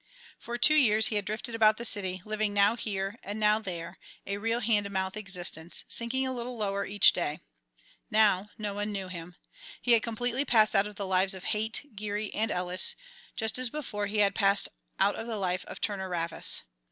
For two years he had drifted about the city, living now here and now there, a real hand to mouth existence, sinking a little lower each day. Now, no one knew him. He had completely passed out of the lives of Haight, Geary, and Ellis, just as before he had passed out of the life of Turner Ravis.